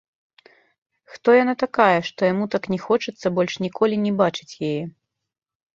Хто яна такая, што яму так не хочацца больш ніколі не бачыць яе?